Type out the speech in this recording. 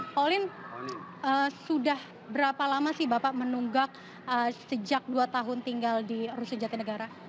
pauline sudah berapa lama sih bapak menunggak sejak dua tahun tinggal di rusun jatinegara